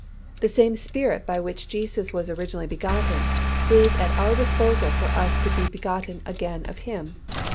The same Spirit by which Jesus was originally begotten, is at our disposal for us to be begotten again of Him.